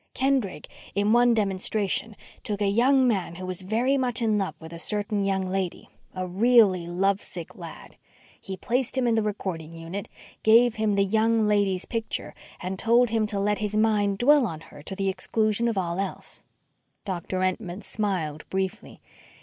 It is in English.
"Kendrick, in one demonstration, took a young man who was very much in love with a certain young lady. A really love sick lad. He placed him in the recording unit gave him the young lady's picture, and told him to let his mind dwell on her to the exclusion of all else." Doctor Entman smiled briefly.